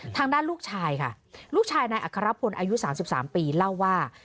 ลูกชายค่ะลูกชายนายอัครพลอายุ๓๓ปีเล่าว่า